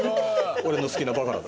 俺の好きなバカラだ。